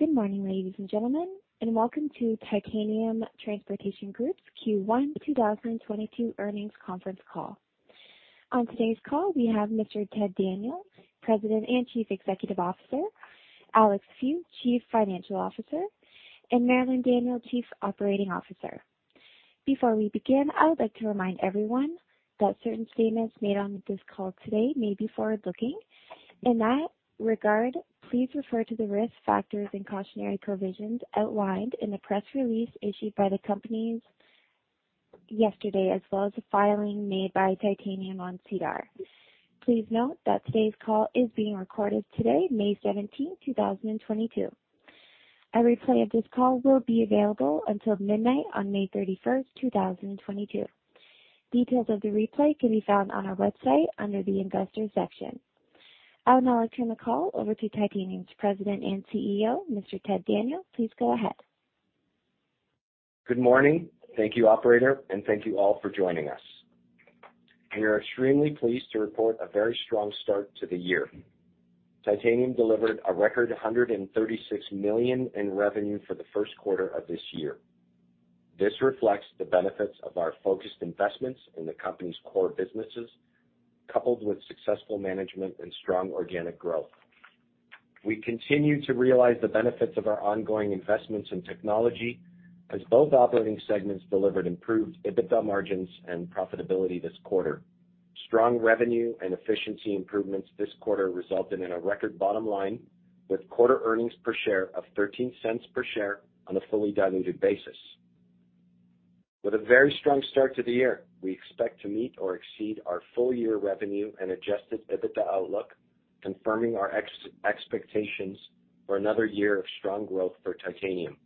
Good morning, ladies and gentlemen, and welcome to Titanium Transportation Group's Q1 2022 earnings conference call. On today's call, we have Mr. Ted Daniel, President and Chief Executive Officer, Alex Fu, Chief Financial Officer, and Marilyn Daniel, Chief Operating Officer. Before we begin, I would like to remind everyone that certain statements made on this call today may be forward-looking. In that regard, please refer to the risk factors and cautionary provisions outlined in the press release issued by the companies yesterday, as well as the filing made by Titanium on SEDAR. Please note that today's call is being recorded today, May 17th, 2022. A replay of this call will be available until midnight on May 31st, 2022. Details of the replay can be found on our website under the Investors section. I would now like to turn the call over to Titanium's President and CEO, Mr. Ted Daniel. Please go ahead. Good morning. Thank you, operator, and thank you all for joining us. We are extremely pleased to report a very strong start to the year. Titanium delivered a record 136 million in revenue for the first quarter of this year. This reflects the benefits of our focused investments in the company's core businesses, coupled with successful management and strong organic growth. We continue to realize the benefits of our ongoing investments in technology as both operating segments delivered improved EBITDA margins and profitability this quarter. Strong revenue and efficiency improvements this quarter resulted in a record bottom line with quarter earnings per share of 0.13 per share on a fully diluted basis. With a very strong start to the year, we expect to meet or exceed our full-year revenue and adjusted EBITDA outlook, confirming our expectations for another year of strong growth for Titanium.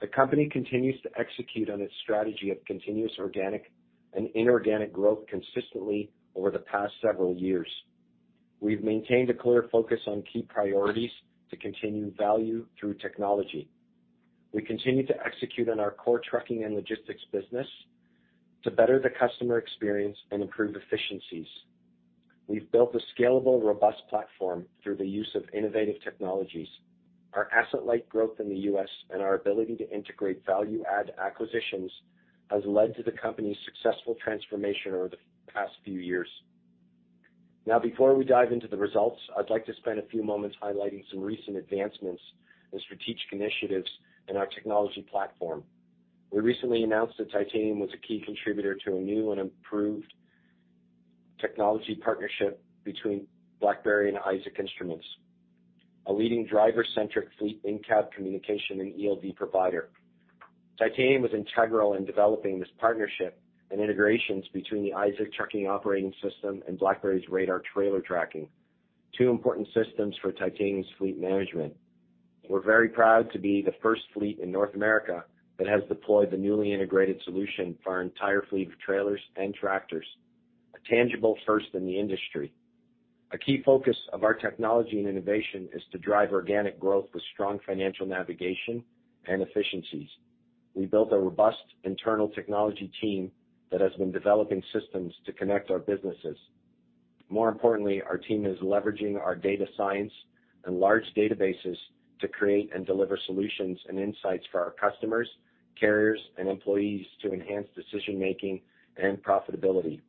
The company continues to execute on its strategy of continuous organic and inorganic growth consistently over the past several years. We've maintained a clear focus on key priorities to continue value through technology. We continue to execute on our core trucking and logistics business to better the customer experience and improve efficiencies. We've built a scalable, robust platform through the use of innovative technologies. Our asset-light growth in the U.S. and our ability to integrate value-add acquisitions has led to the company's successful transformation over the past few years. Now, before we dive into the results, I'd like to spend a few moments highlighting some recent advancements in strategic initiatives in our technology platform. We recently announced that Titanium was a key contributor to a new and improved technology partnership between BlackBerry and ISAAC Instruments, a leading driver-centric fleet in-cab communication and ELD provider. Titanium was integral in developing this partnership and integrations between the ISAAC trucking operating system and BlackBerry Radar trailer tracking, two important systems for Titanium's fleet management. We're very proud to be the first fleet in North America that has deployed the newly integrated solution for our entire fleet of trailers and tractors, a tangible first in the industry. A key focus of our technology and innovation is to drive organic growth with strong financial navigation and efficiencies. We built a robust internal technology team that has been developing systems to connect our businesses. More importantly, our team is leveraging our data science and large databases to create and deliver solutions and insights for our customers, carriers, and employees to enhance decision-making and profitability.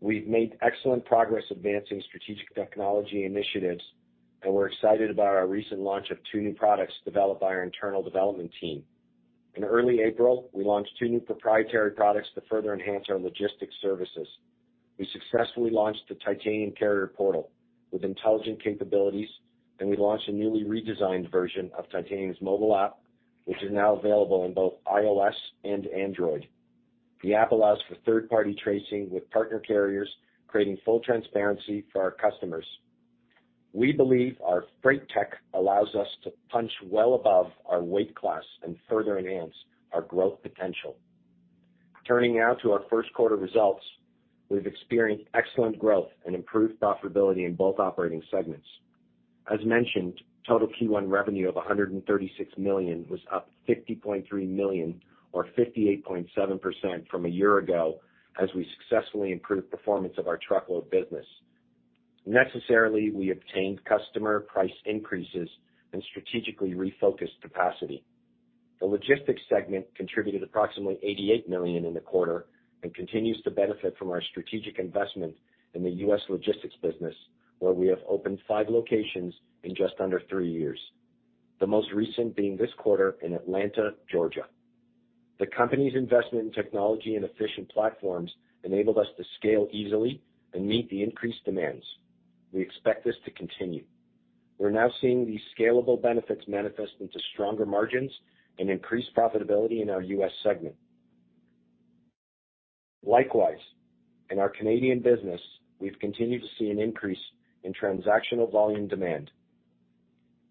We've made excellent progress advancing strategic technology initiatives, and we're excited about our recent launch of two new products developed by our internal development team. In early April, we launched two new proprietary products to further enhance our logistics services. We successfully launched the Titanium Carrier Portal with intelligent capabilities, and we launched a newly redesigned version of Titanium's mobile app, which is now available on both iOS and Android. The app allows for third-party tracing with partner carriers, creating full transparency for our customers. We believe our FreightTech allows us to punch well above our weight class and further enhance our growth potential. Turning now to our first quarter results. We've experienced excellent growth and improved profitability in both operating segments. As mentioned, total Q1 revenue of 136 million was up 50.3 million or 58.7% from a year ago as we successfully improved performance of our truckload business. Necessarily, we obtained customer price increases and strategically refocused capacity. The logistics segment contributed approximately 88 million in the quarter and continues to benefit from our strategic investment in the U.S. logistics business, where we have opened five locations in just under three years, the most recent being this quarter in Atlanta, Georgia. The company's investment in technology and efficient platforms enabled us to scale easily and meet the increased demands. We expect this to continue. We're now seeing these scalable benefits manifest into stronger margins and increased profitability in our U.S. segment. Likewise, in our Canadian business, we've continued to see an increase in transactional volume demand.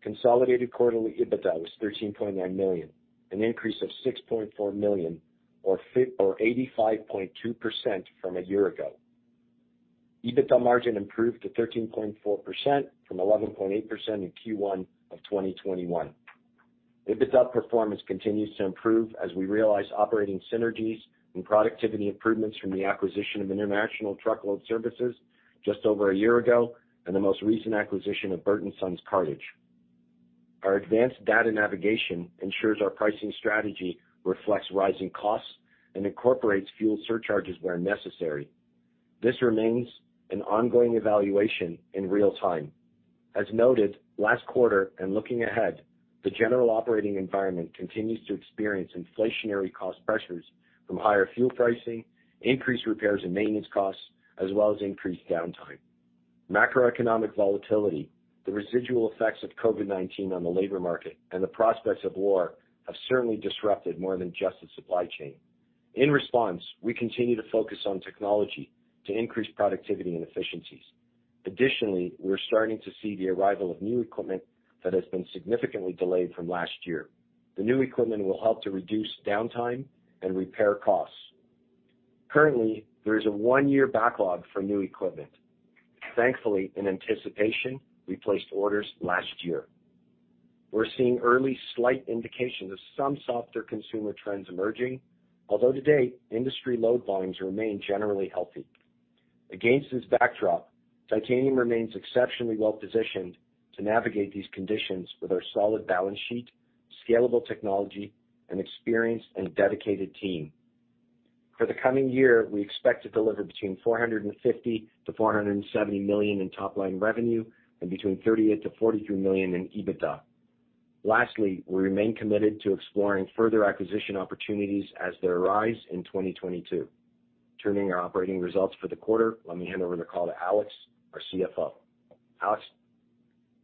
Consolidated quarterly EBITDA was 13.9 million, an increase of 6.4 million or 85.2% from a year ago. EBITDA margin improved to 13.4% from 11.8% in Q1 of 2021. EBITDA performance continues to improve as we realize operating synergies and productivity improvements from the acquisition of International Truckload Services just over a year ago and the most recent acquisition of Bert and Son's Cartage. Our advanced data navigation ensures our pricing strategy reflects rising costs and incorporates fuel surcharges where necessary. This remains an ongoing evaluation in real time. As noted last quarter and looking ahead, the general operating environment continues to experience inflationary cost pressures from higher fuel pricing, increased repairs and maintenance costs, as well as increased downtime. Macroeconomic volatility, the residual effects of COVID-19 on the labor market, and the prospects of war have certainly disrupted more than just the supply chain. In response, we continue to focus on technology to increase productivity and efficiencies. Additionally, we're starting to see the arrival of new equipment that has been significantly delayed from last year. The new equipment will help to reduce downtime and repair costs. Currently, there is a one-year backlog for new equipment. Thankfully, in anticipation, we placed orders last year. We're seeing early slight indications of some softer consumer trends emerging, although to date, industry load volumes remain generally healthy. Against this backdrop, Titanium remains exceptionally well-positioned to navigate these conditions with our solid balance sheet, scalable technology, and experienced and dedicated team. For the coming year, we expect to deliver between 450 million and 470 million in top line revenue and between 38 million and 43 million in EBITDA. Lastly, we remain committed to exploring further acquisition opportunities as they arise in 2022. Turning to our operating results for the quarter, let me hand over the call to Alex Fu, our CFO. Alex?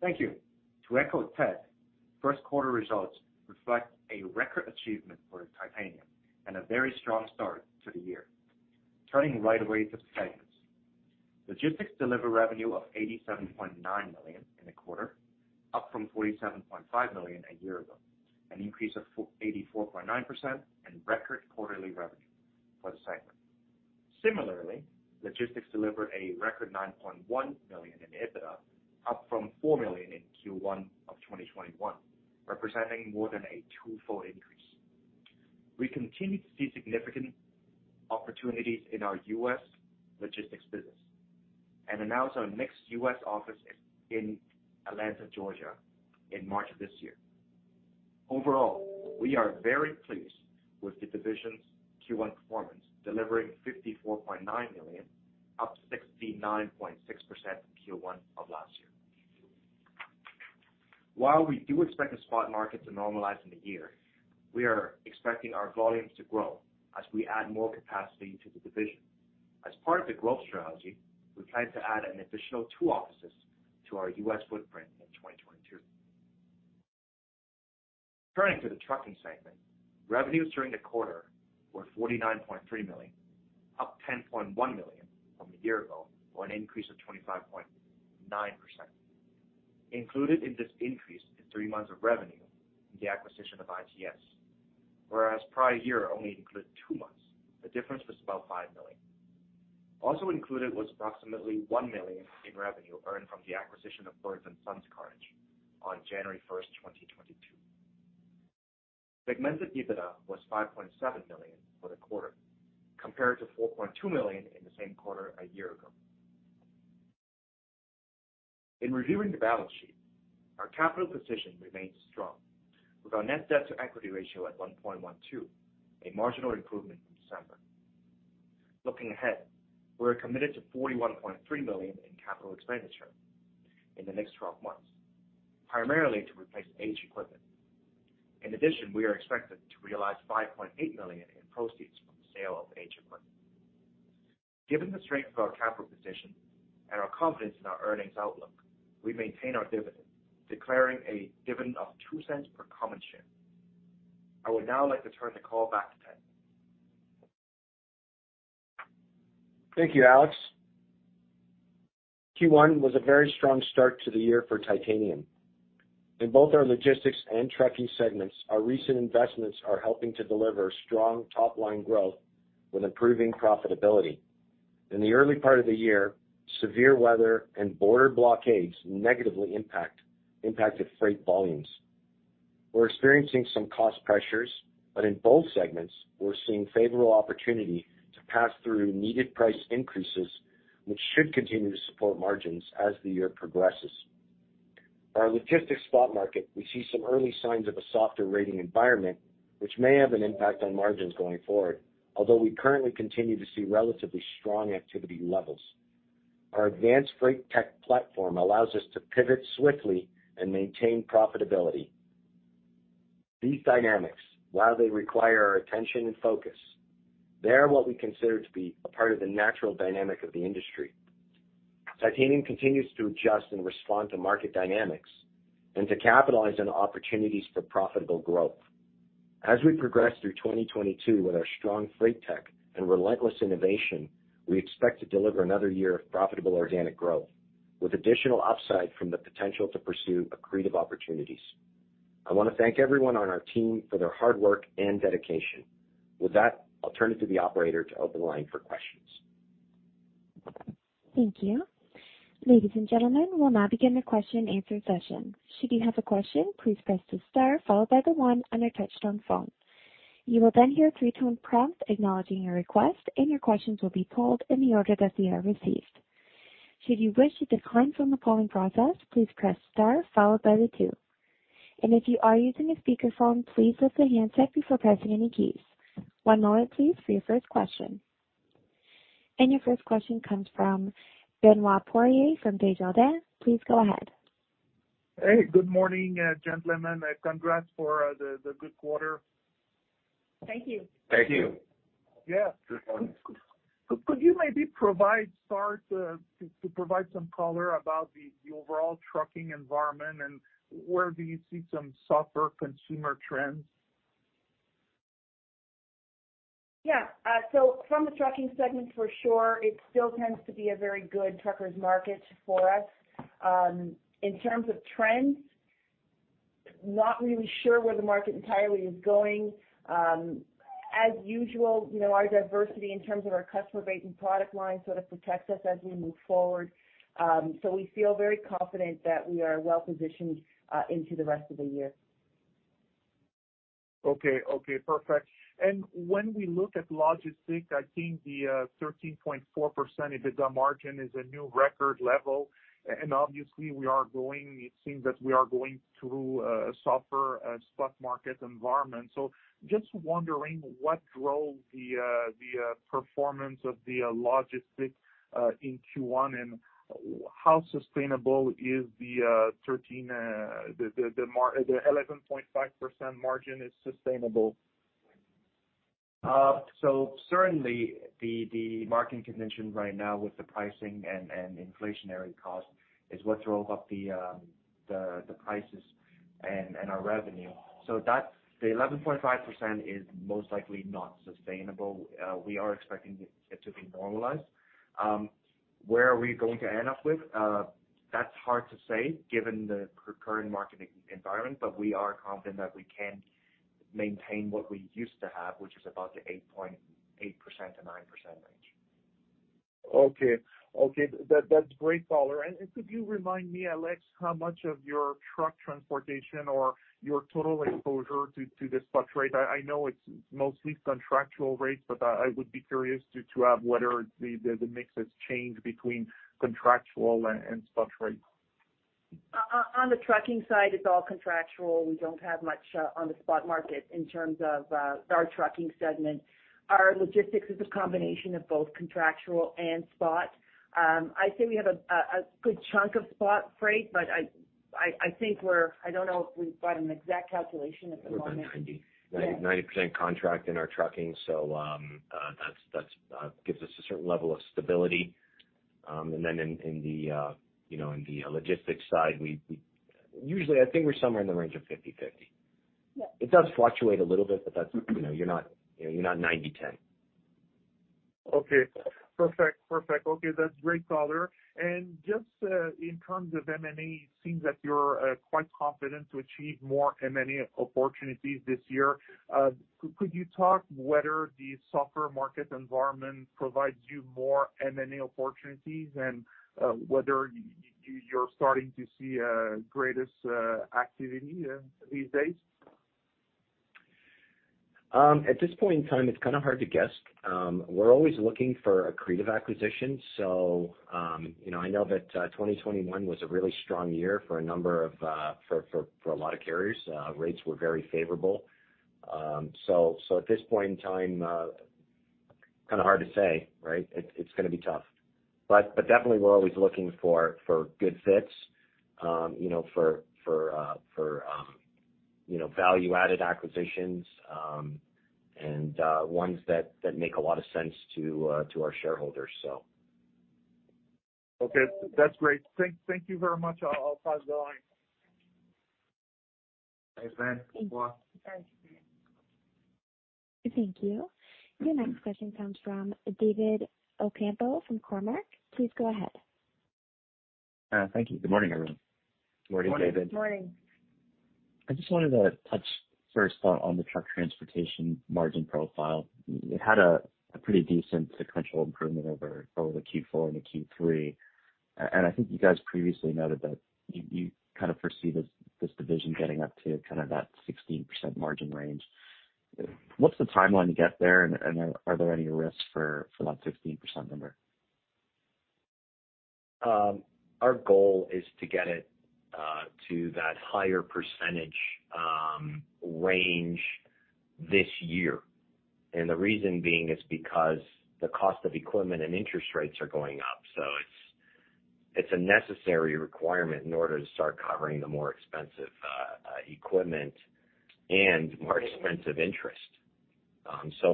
Thank you. To echo Ted, first quarter results reflect a record achievement for Titanium and a very strong start to the year. Turning right away to segments. Logistics delivered revenue of 87.9 million in the quarter, up from 47.5 million a year ago, an increase of 84.9% and record quarterly revenue for the segment. Similarly, logistics delivered a record 9.1 million in EBITDA, up from 4 million in Q1 of 2021, representing more than a twofold increase. We continue to see significant opportunities in our U.S. logistics business and announced our next U.S. office in Atlanta, Georgia, in March of this year. Overall, we are very pleased with the division's Q1 performance, delivering 54.9 million, up 69.6% from Q1 of last year. While we do expect the spot market to normalize in the year, we are expecting our volumes to grow as we add more capacity to the division. As part of the growth strategy, we plan to add an additional two offices to our U.S. footprint in 2022. Turning to the trucking segment, revenues during the quarter were 49.3 million, up 10.1 million from a year ago, or an increase of 25.9%. Included in this increase is three months of revenue in the acquisition of ITS, whereas prior year only included two months. The difference was about 5 million. Also included was approximately 1 million in revenue earned from the acquisition of Bert and Son's Cartage on January 1, 2022. Segmented EBITDA was 5.7 million for the quarter, compared to 4.2 million in the same quarter a year ago. In reviewing the balance sheet, our capital position remains strong with our net debt to equity ratio at 1.12, a marginal improvement from December. Looking ahead, we're committed to 41.3 million in capital expenditure in the next 12 months, primarily to replace aged equipment. In addition, we are expected to realize 5.8 million in proceeds from the sale of aged equipment. Given the strength of our capital position and our confidence in our earnings outlook, we maintain our dividend, declaring a dividend of 0.02 per common share. I would now like to turn the call back to Ted. Thank you, Alex. Q1 was a very strong start to the year for Titanium. In both our logistics and trucking segments, our recent investments are helping to deliver strong top-line growth with improving profitability. In the early part of the year, severe weather and border blockades negatively impacted freight volumes. We're experiencing some cost pressures, but in both segments, we're seeing favorable opportunity to pass through needed price increases, which should continue to support margins as the year progresses. Our logistics spot market, we see some early signs of a softer rating environment which may have an impact on margins going forward, although we currently continue to see relatively strong activity levels. Our advanced FreightTech platform allows us to pivot swiftly and maintain profitability. These dynamics, while they require our attention and focus, they are what we consider to be a part of the natural dynamic of the industry. Titanium continues to adjust and respond to market dynamics and to capitalize on opportunities for profitable growth. As we progress through 2022 with our strong FreightTech and relentless innovation, we expect to deliver another year of profitable organic growth with additional upside from the potential to pursue accretive opportunities. I wanna thank everyone on our team for their hard work and dedication. With that, I'll turn it to the operator to open the line for questions. Thank you. Ladies and gentlemen, we'll now begin the question and answer session. Should you have a question, please press the star followed by the one on your touch-tone phone. You will then hear a three-tone prompt acknowledging your request, and your questions will be polled in the order that they are received. Should you wish to decline from the polling process, please press star followed by the two. If you are using a speakerphone, please lift the handset before pressing any keys. One moment please for your first question. Your first question comes from Benoit Poirier from Desjardins. Please go ahead. Hey, good morning, gentlemen. Congrats for the good quarter. Thank you. Thank you. Yeah. Good morning. Could you maybe provide some color about the overall trucking environment and where do you see some softer consumer trends? Yeah. From the trucking segment, for sure, it still tends to be a very good trucker's market for us. In terms of trends, not really sure where the market entirely is going. As usual, you know, our diversity in terms of our customer base and product line sort of protects us as we move forward. We feel very confident that we are well-positioned into the rest of the year. Okay. Perfect. When we look at logistics, I think the 13.4% EBITDA margin is a new record level. Obviously, it seems that we are going through a softer spot market environment. Just wondering what drove the performance of the logistics in Q1, and how sustainable is the 11.5% margin? Certainly the market conditions right now with the pricing and inflationary cost is what drove up the prices and our revenue. That the 11.5% is most likely not sustainable. We are expecting it to be normalized. Where are we going to end up with? That's hard to say given the current market environment, but we are confident that we can maintain what we used to have, which is about the 8.8%-9% range. Okay. That's great color. Could you remind me, Alex, how much of your truck transportation or your total exposure to the spot rate? I know it's mostly contractual rates, but I would be curious to hear whether the mix has changed between contractual and spot rates. On the trucking side, it's all contractual. We don't have much on the spot market in terms of our trucking segment. Our logistics is a combination of both contractual and spot. I'd say we have a good chunk of spot freight, but I think I don't know if we've got an exact calculation at the moment. We're about 90. Yeah. 90% contract in our trucking, so that gives us a certain level of stability. In the logistics side, you know, we usually I think we're somewhere in the range of 50/50. Yeah. It does fluctuate a little bit, but that's, you know, you're not 90/10. Okay. Perfect. Okay. That's great color. Just in terms of M&A, it seems that you're quite confident to achieve more M&A opportunities this year. Could you talk about whether the softer market environment provides you more M&A opportunities and whether you're starting to see greater activity these days? At this point in time, it's kinda hard to guess. We're always looking for accretive acquisitions. You know, I know that 2021 was a really strong year for a lot of carriers. Rates were very favorable. At this point in time, kinda hard to say, right? It's gonna be tough. Definitely we're always looking for good fits, you know, for value-added acquisitions, and ones that make a lot of sense to our shareholders. Okay. That's great. Thank you very much. I'll pause the line. Thanks, man. Benoit. Thanks. Thank you. Your next question comes from David Ocampo from Cormark. Please go ahead. Thank you. Good morning, everyone. Morning, David. Morning. I just wanted to touch first on the truck transportation margin profile. It had a pretty decent sequential improvement over the Q4 and the Q3. I think you guys previously noted that you kind of foresee this division getting up to kind of that 16% margin range. What's the timeline to get there, and are there any risks for that 16% number? Our goal is to get it to that higher percentage range this year. The reason being is because the cost of equipment and interest rates are going up. It's a necessary requirement in order to start covering the more expensive equipment and more expensive interest.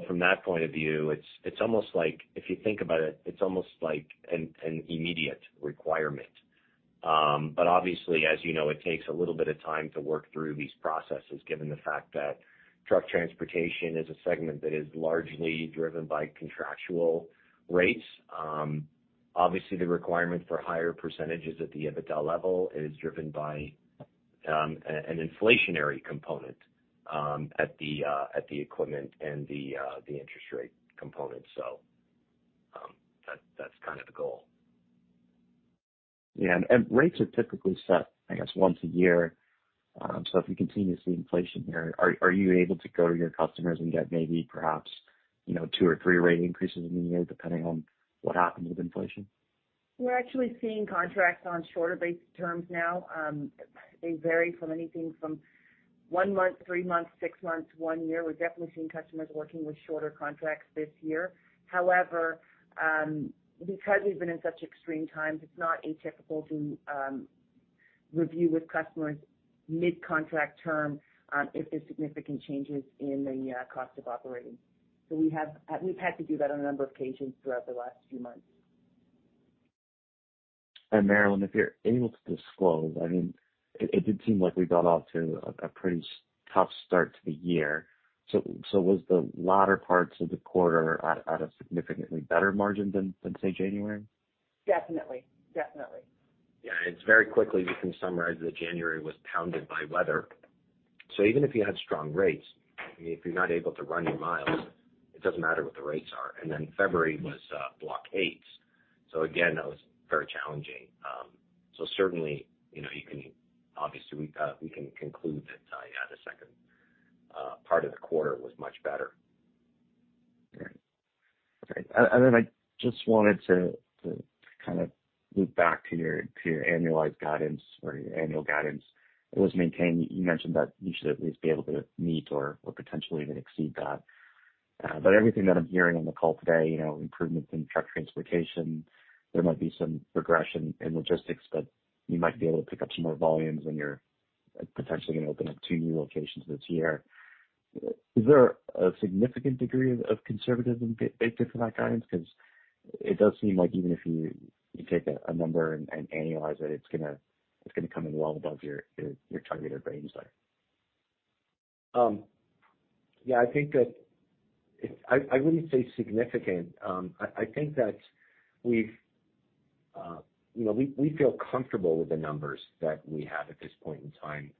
From that point of view, it's almost like, if you think about it's almost like an immediate requirement. Obviously, as you know, it takes a little bit of time to work through these processes, given the fact that truck transportation is a segment that is largely driven by contractual rates. Obviously the requirement for higher percentages at the EBITDA level is driven by an inflationary component at the equipment and the interest rate component. That's kind of the goal. Yeah. Rates are typically set, I guess, once a year. If you continue to see inflation here, are you able to go to your customers and get maybe perhaps, you know, two or three rate increases in a year depending on what happens with inflation? We're actually seeing contracts on shorter-based terms now. They vary from anything from one month, three months, six months, one year. We're definitely seeing customers working with shorter contracts this year. However, because we've been in such extreme times, it's not atypical to review with customers mid-contract term, if there's significant changes in the cost of operating. We've had to do that on a number of occasions throughout the last few months. Marilyn, if you're able to disclose, I mean, it did seem like we got off to a pretty tough start to the year. So was the latter parts of the quarter at a significantly better margin than, say, January? Definitely. Yeah. It's very quickly, we can summarize that January was pounded by weather. Even if you had strong rates, I mean, if you're not able to run your miles, it doesn't matter what the rates are. February was blockades. Again, that was very challenging. Certainly, you know, we can conclude that, yeah, the second part of the quarter was much better. Great. Then I just wanted to kind of loop back to your annualized guidance or your annual guidance. It was maintained. You mentioned that you should at least be able to meet or potentially even exceed that. But everything that I'm hearing on the call today, you know, improvements in truck transportation, there might be some regression in logistics, but you might be able to pick up some more volumes and you're potentially going to open up two new locations this year. Is there a significant degree of conservatism baked into that guidance? Because it does seem like even if you take a number and annualize it's gonna come in well above your targeted range there. Yeah, I think that I wouldn't say significant. I think that we've, you know, we feel comfortable with the numbers that we have at this point in time.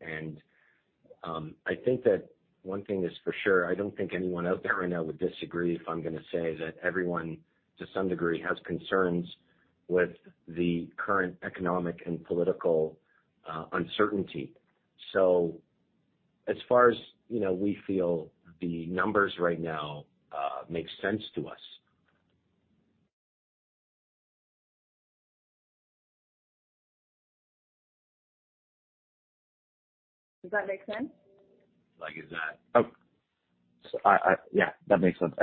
I think that one thing is for sure, I don't think anyone out there right now would disagree if I'm gonna say that everyone, to some degree, has concerns with the current economic and political uncertainty. We feel the numbers right now make sense to us. Does that make sense? Like, is that? Yeah, that makes sense.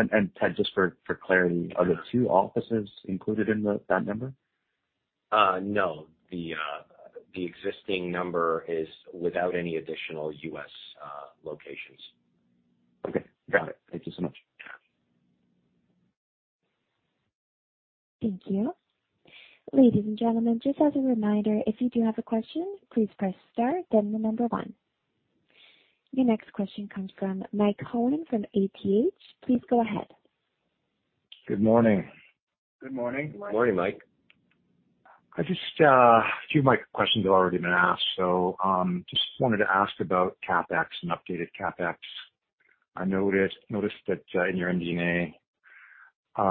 Ted, just for clarity, are the two offices included in that number? No. The existing number is without any additional U.S. locations. Okay. Got it. Thank you so much. Yeah. Thank you. Ladies and gentlemen, just as a reminder, if you do have a question, please press star then the number one. Your next question comes from Michael O'Brien from ATB. Please go ahead. Good morning. Good morning. Good morning. Morning, Mike. I just, a few of my questions have already been asked, so just wanted to ask about CapEx and updated CapEx. I noticed that in your MD&A,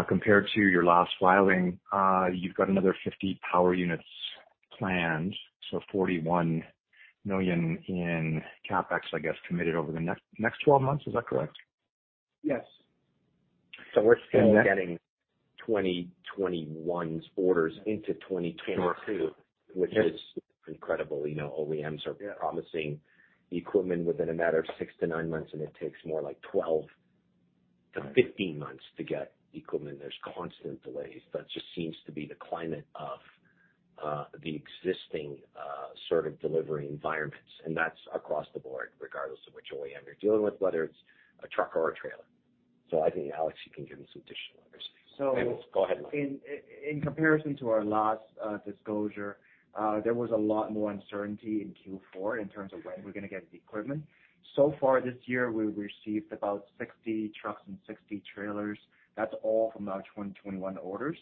compared to your last filing, you've got another 50 power units planned, so 41 million in CapEx, I guess, committed over the next 12 months. Is that correct? Yes. We're still getting 2021's orders into 2022, which is incredible. You know, OEMs are promising equipment within a matter of six to nine months, and it takes more like 12-15 months to get equipment. There's constant delays. That just seems to be the climate of the existing sort of delivery environments, and that's across the board regardless of which OEM you're dealing with, whether it's a truck or a trailer. I think, Alex, you can give me some additional numbers. So- Go ahead, Mike. In comparison to our last disclosure, there was a lot more uncertainty in Q4 in terms of when we're gonna get the equipment. So far this year, we've received about 60 trucks and 60 trailers. That's all from our 2021 orders.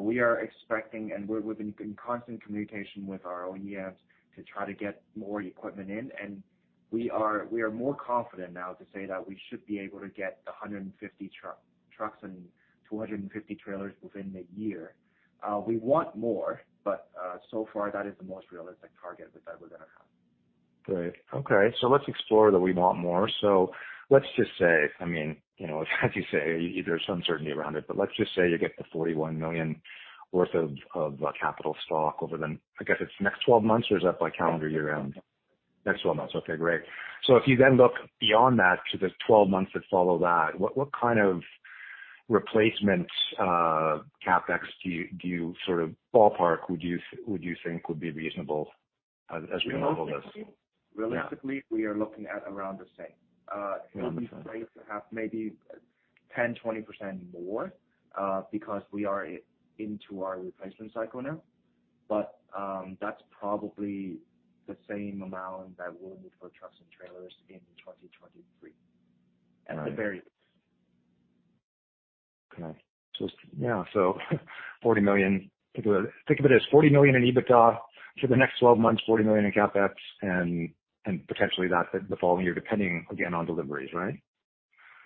We are expecting and we're in constant communication with our OEMs to try to get more equipment in, and we are more confident now to say that we should be able to get 150 trucks and 250 trailers within the year. We want more, but so far, that is the most realistic target that we're gonna have. Great. Okay. Let's explore that we want more. Let's just say, I mean, you know, as you say, there's some uncertainty around it, but let's just say you get the 41 million worth of capital stock over the, I guess, it's next 12 months or is that by calendar year end? Next 12 months. Okay, great. If you then look beyond that to the 12 months that follow that, what kind of replacement CapEx do you sort of ballpark would you think would be reasonable as we model this? Realistically, we are looking at around the same. Around the same. We'd like to have maybe 10%-20% more, because we are into our replacement cycle now. That's probably the same amount that we'll need for trucks and trailers in 2023 at the very least. Okay. Just, yeah, 40 million. Think of it as 40 million in EBITDA for the next 12 months, 40 million in CapEx and potentially that the following year, depending again on deliveries, right?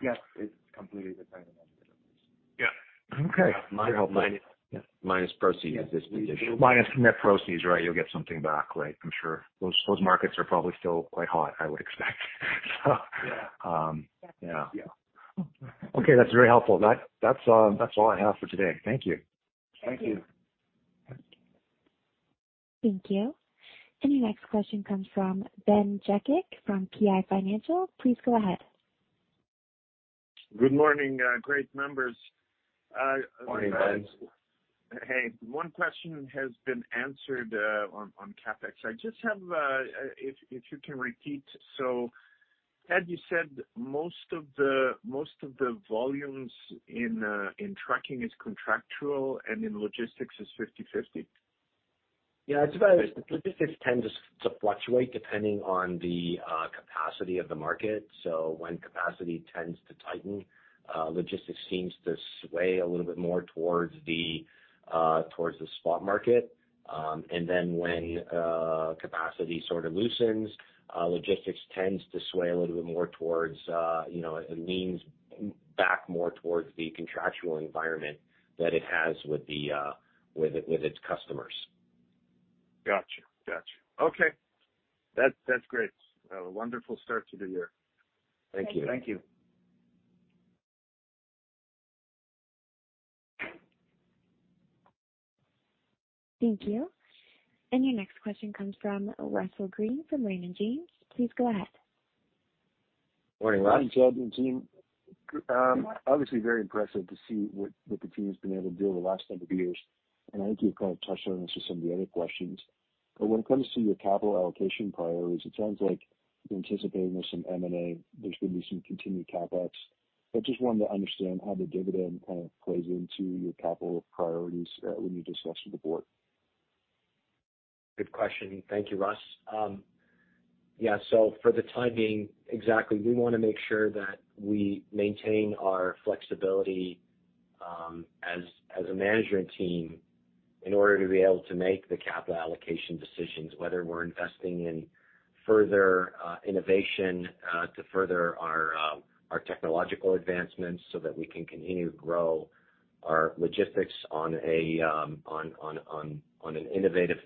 Yes. It's completely dependent on the deliveries. Yeah. Okay. Very helpful. Minus proceeds at this stage. Minus net proceeds, right. You'll get something back, right, I'm sure. Those markets are probably still quite hot, I would expect. Yeah. Yeah. Yeah. Okay. That's very helpful. That's all I have for today. Thank you. Thank you. Thank you. Thank you. Your next question comes from Ben Jekic from PI Financial. Please go ahead. Good morning, great members. Morning, Ben. Hey, one question has been answered on CapEx. I just have if you can repeat. Ted, you said most of the volumes in trucking is contractual and in logistics is 50/50. Yeah. It's about logistics tends to fluctuate depending on the capacity of the market. When capacity tends to tighten, logistics seems to sway a little bit more towards the spot market. When capacity sort of loosens, logistics tends to sway a little bit more towards, you know, it leans back more towards the contractual environment that it has with its customers. Gotcha. Okay. That's great. A wonderful start to the year. Thank you. Thank you. Thank you. Your next question comes from Russell Green from Raymond James. Please go ahead. Morning, Russ. Morning, Ted and team. Obviously very impressive to see what the team has been able to do over the last couple of years, and I think you've kind of touched on this with some of the other questions, but when it comes to your capital allocation priorities, it sounds like you're anticipating there's some M&A, there's going to be some continued CapEx. I just wanted to understand how the dividend kind of plays into your capital priorities, when you discuss with the board. Good question. Thank you, Russ. Yeah. For the time being, exactly, we wanna make sure that we maintain our flexibility, as a management team in order to be able to make the capital allocation decisions. Whether we're investing in further innovation to further our technological advancements so that we can continue to grow our logistics on an innovative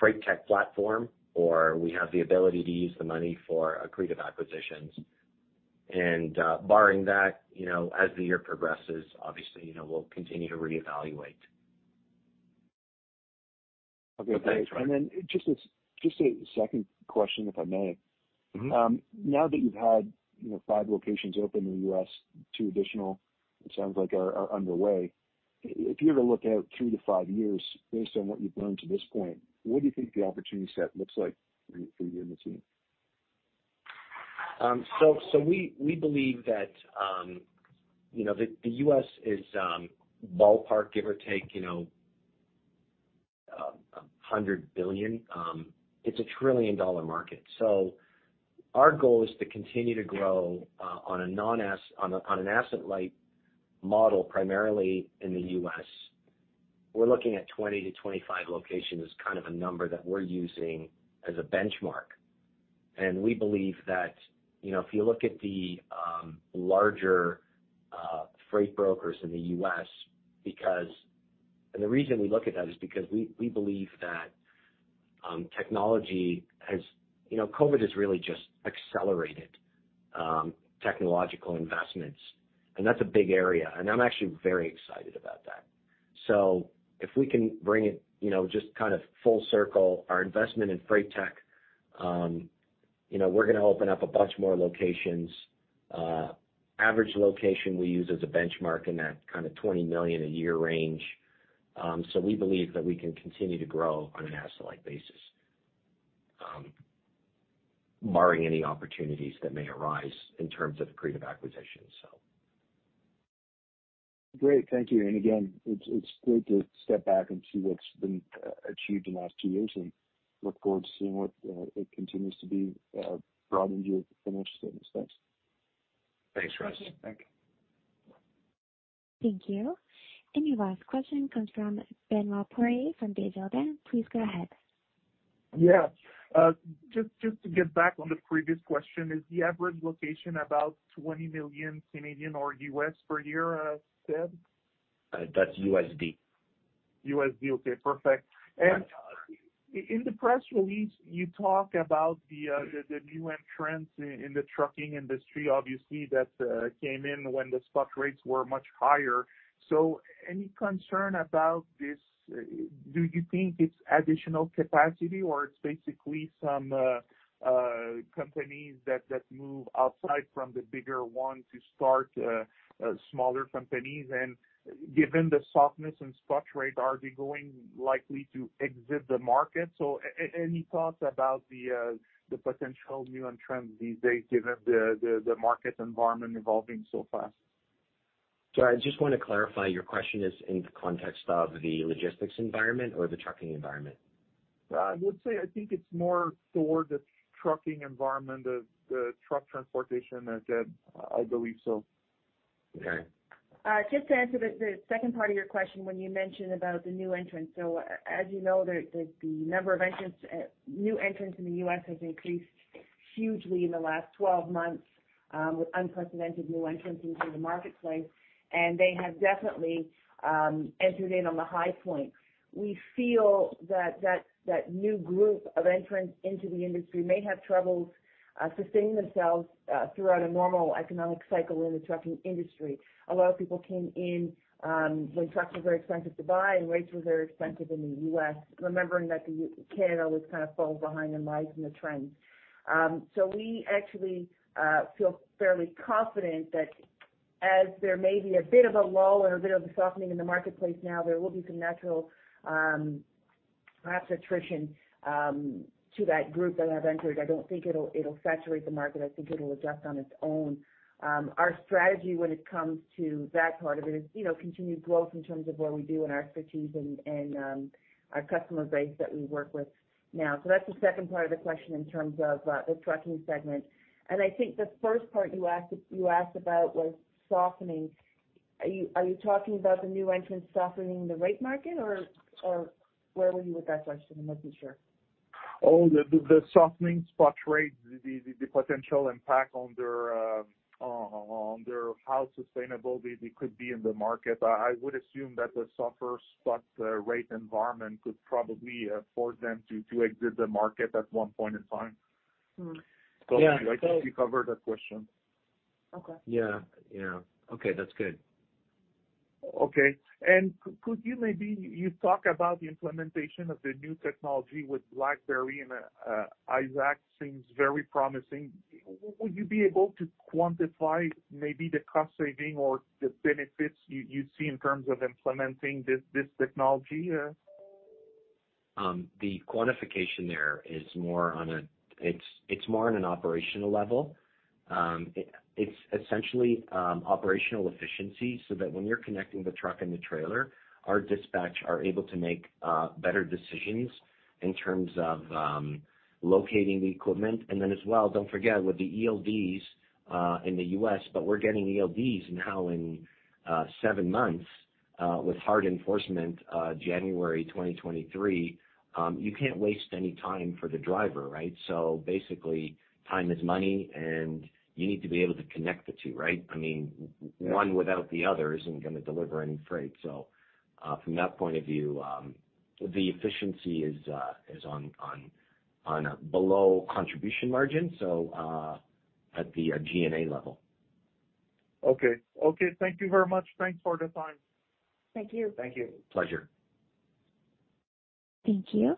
FreightTech platform, or we have the ability to use the money for accretive acquisitions. Barring that, you know, as the year progresses, obviously, you know, we'll continue to reevaluate. Okay, thanks. Thanks, Russ. Just a second question, if I may. Mm-hmm. Now that you've had, you know, five locations open in the U.S., two additional it sounds like are underway. If you were to look out three to five years based on what you've learned to this point, what do you think the opportunity set looks like for you and the team? We believe that, you know, the U.S. is ballpark, give or take, you know, $100 billion. It's a $1 trillion market. Our goal is to continue to grow on an asset-light model, primarily in the U.S. We're looking at 20-25 locations as kind of a number that we're using as a benchmark. We believe that, you know, if you look at the larger freight brokers in the U.S. because the reason we look at that is because we believe that technology has. You know, COVID has really just accelerated technological investments, and that's a big area, and I'm actually very excited about that. If we can bring it, you know, just kind of full circle our investment in FreightTech, you know, we're gonna open up a bunch more locations. Average location we use as a benchmark in that kind of 20 million a year range. We believe that we can continue to grow on an asset-light basis, barring any opportunities that may arise in terms of accretive acquisitions. Great. Thank you. Again, it's great to step back and see what's been achieved in the last two years and look forward to seeing what it continues to be brought into your financial statements. Thanks. Thanks, Russ. Thank you. Thank you. Your last question comes from Benoit Poirier from Desjardins. Please go ahead. Yeah. Just to get back on the previous question. Is the average location about 20 million or $20 million per year, Ted? That's USD. USD. Okay, perfect. In the press release, you talk about the new entrants in the trucking industry, obviously, that came in when the spot rates were much higher. Any concern about this? Do you think it's additional capacity or it's basically some companies that move outside from the bigger one to start smaller companies? Given the softness in spot rate, are they going likely to exit the market? Any thoughts about the potential new entrants these days given the market environment evolving so fast? I just want to clarify, your question is in the context of the logistics environment or the trucking environment? I would say I think it's more toward the trucking environment of the truck transportation that I believe so. Okay. Just to answer the second part of your question when you mentioned about the new entrants. As you know, the number of new entrants in the U.S. has increased hugely in the last 12 months, with unprecedented new entrants into the marketplace. They have definitely entered in on the high point. We feel that new group of entrants into the industry may have trouble sustaining themselves throughout a normal economic cycle in the trucking industry. A lot of people came in when trucks were very expensive to buy and rates were very expensive in the U.S., remembering that Canada always kind of falls behind and lags in the trends. We actually feel fairly confident that as there may be a bit of a lull or a bit of a softening in the marketplace now, there will be some natural, perhaps attrition to that group that have entered. I don't think it'll saturate the market. I think it'll adjust on its own. Our strategy when it comes to that part of it is, you know, continued growth in terms of what we do and our expertise and our customer base that we work with now. That's the second part of the question in terms of the trucking segment. I think the first part you asked about was softening. Are you talking about the new entrants softening the rate market or where were you with that question? I'm not too sure. Oh, the softening spot rates, the potential impact on their how sustainable they could be in the market. I would assume that the softer spot rate environment could probably force them to exit the market at one point in time. Mm. Yeah. I think you covered that question. Okay. Yeah. Yeah. Okay, that's good. Okay. Could you maybe talk about the implementation of the new technology with BlackBerry and ISAAC seems very promising. Would you be able to quantify maybe the cost saving or the benefits you see in terms of implementing this technology? The quantification there is more on an operational level. It's essentially operational efficiency so that when you're connecting the truck and the trailer, our dispatch are able to make better decisions in terms of locating the equipment. Then as well, don't forget, with the ELDs in the U.S., but we're getting ELDs now in seven months with hard enforcement January 2023, you can't waste any time for the driver, right? Basically, time is money, and you need to be able to connect the two, right? Yeah. One without the other isn't gonna deliver any freight. From that point of view, the efficiency is above contribution margin, so at the G&A level. Okay, thank you very much. Thanks for the time. Thank you. Thank you. Pleasure. Thank you.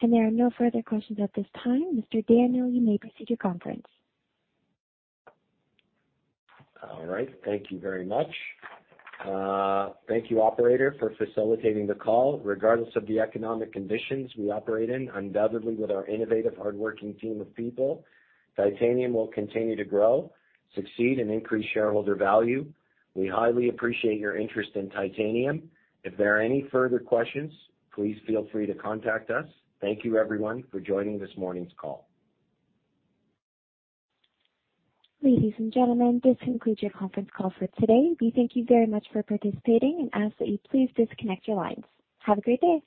There are no further questions at this time. Mr. Daniel, you may proceed with your conference. All right. Thank you very much. Thank you, operator, for facilitating the call. Regardless of the economic conditions we operate in, undoubtedly with our innovative, hardworking team of people, Titanium will continue to grow, succeed, and increase shareholder value. We highly appreciate your interest in Titanium. If there are any further questions, please feel free to contact us. Thank you, everyone, for joining this morning's call. Ladies and gentlemen, this concludes your conference call for today. We thank you very much for participating and ask that you please disconnect your lines. Have a great day.